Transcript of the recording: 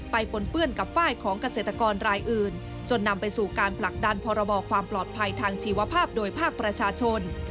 ปนเปื้อนกับฝ้ายของเกษตรกรรายอื่นจนนำไปสู่การผลักดันพรบความปลอดภัยทางชีวภาพโดยภาคประชาชน